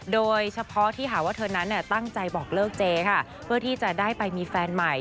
โดยเฉพาะที่หาว่าเธอนั้นตั้งใจบอกเลิกเจค่ะเพื่อที่จะได้ไปมีแฟนใหม่